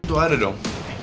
itu ada dong